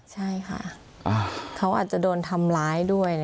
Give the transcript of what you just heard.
ใช่ค่ะเขาอาจจะโดนทำร้ายด้วย